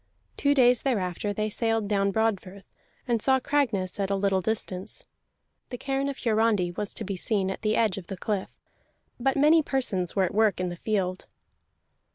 Two days thereafter they sailed down Broadfirth, and saw Cragness at a little distance. The cairn of Hiarandi was to be seen at the edge of the cliff, but many persons were at work in the field.